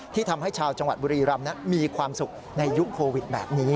ทำให้ชาวจังหวัดบุรีรำมีความสุขในยุคโควิดแบบนี้